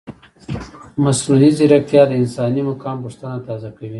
مصنوعي ځیرکتیا د انساني مقام پوښتنه تازه کوي.